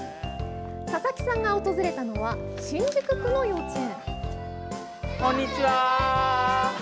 佐々木さんが訪れたのは新宿区の幼稚園。